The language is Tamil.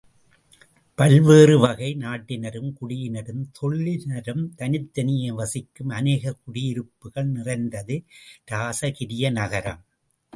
பல்வேறு வகை நாட்டினரும், குடியினரும், தொழிலினரும் தனித்தனியே வசிக்கும் அநேகக் குடியிருப்புகள் நிறைந்தது இராசகிரிய நகரம்.